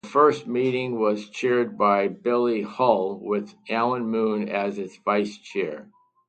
The first meeting was chaired by Billy Hull, with Alan Moon as its vice-chair.